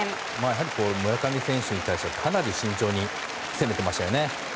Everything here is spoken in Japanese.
やはり村上選手に対してはかなり慎重に攻めてましたよね。